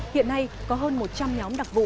hiện nay có hơn một trăm linh nhóm đặc vụ